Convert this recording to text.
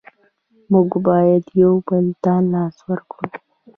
موږ باید یو بل ته لاس ورکړو.